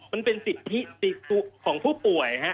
มันเป็นสิทธิของผู้ป่วยฮะ